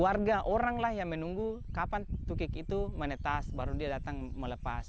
warga orang lah yang menunggu kapan tukik itu menetas baru dia datang melepas